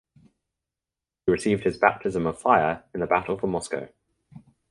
He received his baptism of fire in the battle for Moscow.